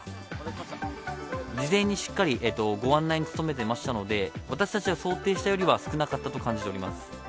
事前にしっかりご案内に努めてましたので、私たちが想定したよりは少なかったと感じております。